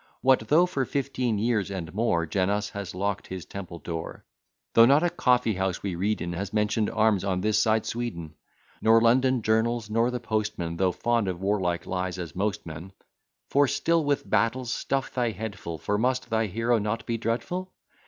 What though, for fifteen years and more, Janus has lock'd his temple door; Though not a coffeehouse we read in Has mention'd arms on this side Sweden; Nor London Journals, nor the Postmen, Though fond of warlike lies as most men; Thou still with battles stuff thy head full: For, must thy hero not be dreadful?